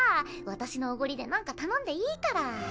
私のおごりで何か頼んでいいから。